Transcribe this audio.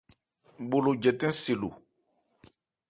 Bho lo jɛtɛn se lo.